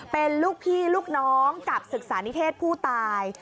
เป็นลูกพี่ลูกน้องกับศึกษานิเทศผู้ตาย